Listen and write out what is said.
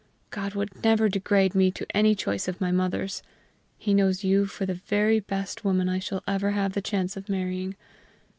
God would never degrade me to any choice of my mother's! He knows you for the very best woman I shall ever have the chance of marrying.